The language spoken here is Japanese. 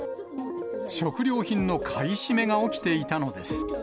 食料品の買い占めが起きていたのです。